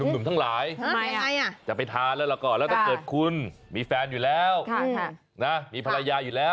หนุ่มทั้งหลายจะไปทานแล้วก็แล้วถ้าเกิดคุณมีแฟนอยู่แล้วมีภรรยาอยู่แล้ว